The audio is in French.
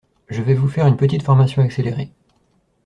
Je vais vous faire une petite formation accélérée.